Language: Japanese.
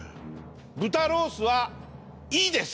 豚ロースはＥです。